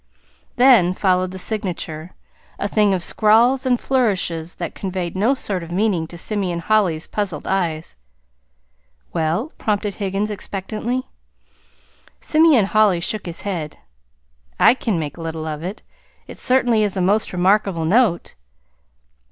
Then followed the signature a thing of scrawls and flourishes that conveyed no sort of meaning to Simeon Holly's puzzled eyes. "Well?" prompted Higgins expectantly. Simeon Holly shook his head. "I can make little of it. It certainly is a most remarkable note."